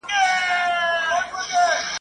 کله به مار کله زمری کله به دود سو پورته ..